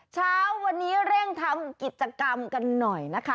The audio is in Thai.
เช้าวันนี้เร่งทำกิจกรรมกันหน่อยนะคะ